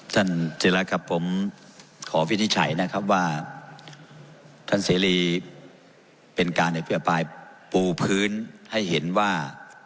ท่านเจรัตครับผมขอวิทย์ไฉม์นะครับว่าท่านเสรีเป็นการให้เปลี่ยนปลายปูพื้นให้เห็นว่า